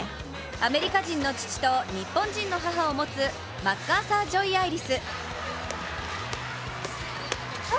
アメリカ人の父と日本人の母を持つマッカーサー・ジョイ・アイリス。